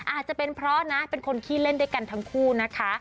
อาจจะเป็นเพราะนะเป็นคนขี้เล่นด้วยกันทั้งคู่นะคะ